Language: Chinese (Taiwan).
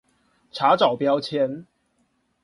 查找標籤